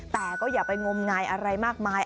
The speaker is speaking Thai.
แต่ก็อย่าไปงมงายอะไรมากมาย